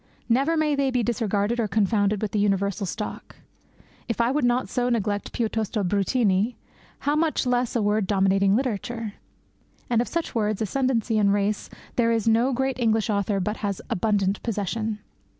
Never may they be disregarded or confounded with the universal stock. If I would not so neglect piuttosto bruttini, how much less a word dominating literature! And of such words of ascendancy and race there is no great English author but has abundant possession.